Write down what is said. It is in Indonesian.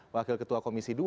wakil ketua komisi dua